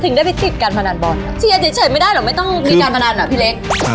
ได้ไปติดการพนันบอลเชียร์เฉยไม่ได้หรอกไม่ต้องมีการพนันอ่ะพี่เล็ก